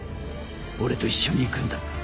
俺と一緒に行くんだ。